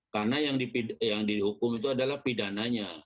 karena yang dihukum itu adalah pidananya